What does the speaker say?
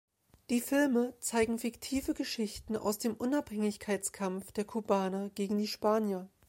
Die Filme zeigen fiktive Geschichten aus dem Unabhängigkeitskampf der Kubaner gegen die Spanier.